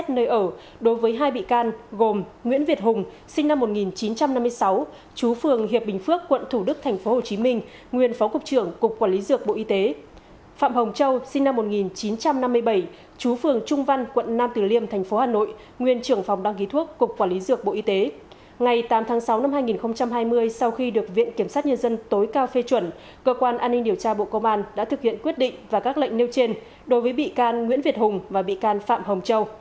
trong năm hai nghìn hai mươi sau khi được viện kiểm sát nhân dân tối cao phê chuẩn cơ quan an ninh điều tra bộ công an đã thực hiện quyết định và các lệnh nêu trên đối với bị can nguyễn việt hùng và bị can phạm hồng châu